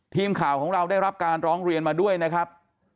ทีมข่าวของเราได้รับการร้องเรียนมาด้วยนะครับ